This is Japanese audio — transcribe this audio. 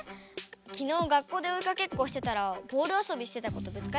きのう学校でおいかけっこしてたらボールあそびしてた子とぶつかっちゃって。